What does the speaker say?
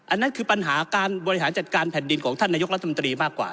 อันนั้นคือปัญหาการบริหารจัดการแผ่นดินของท่านนายกรัฐมนตรีมากกว่า